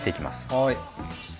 はい。